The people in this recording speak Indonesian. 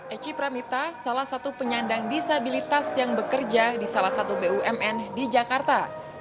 eci pramita salah satu penyandang disabilitas yang bekerja di salah satu bumn di jakarta